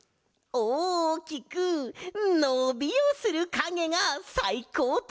おおきくのびをするかげがさいこうとか？